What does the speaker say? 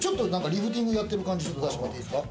リフティングやってる感じやってもらっていいですか？